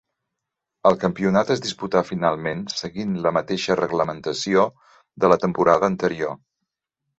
El campionat es disputà finalment seguint la mateixa reglamentació de la temporada anterior.